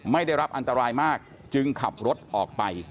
ไม่ได้รับอันตรายมากจึงขับรถออกไป